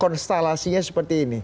nah ini perstalasinya seperti ini